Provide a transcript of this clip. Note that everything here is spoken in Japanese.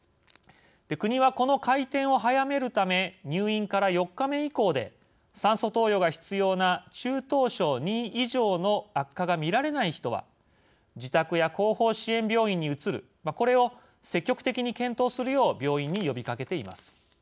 国は、この回転を速めるため入院から４日目以降で酸素投与が必要な中等症ＩＩ以上の悪化が見られない人は自宅や後方支援病院に移るこれを積極的に検討するよう病院に呼びかけています。